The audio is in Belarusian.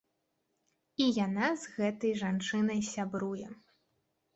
І яна з гэтай жанчынай сябруе.